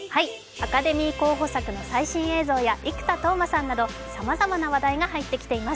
アカデミー候補作の最新映像や、生田斗真さんなどさまざまな話題が入ってきています。